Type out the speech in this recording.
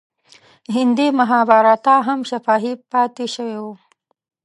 هندي مهابهاراتا هم شفاهي پاتې شوی و.